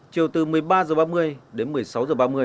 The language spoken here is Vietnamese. chiều từ một mươi ba h ba mươi đến một mươi sáu h ba mươi